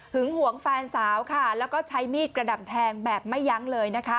หวงแฟนสาวค่ะแล้วก็ใช้มีดกระดำแทงแบบไม่ยั้งเลยนะคะ